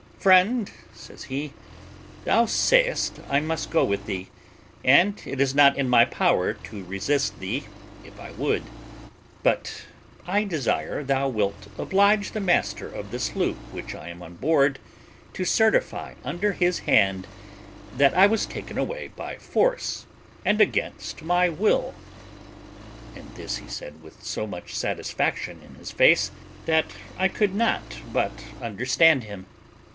"Friend," says he, "thou sayest I must go with thee, and it is not in my power to resist thee if I would; but I desire thou wilt oblige the master of the sloop which I am on board to certify under his hand, that I was taken away by force and against my will." And this he said with so much satisfaction in his face, that I could not but understand him.